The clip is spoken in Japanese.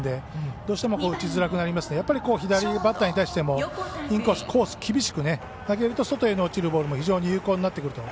どうしても左バッターに対してインコースコース厳しく投げると外へに落ちるボールも非常に有効になってくると。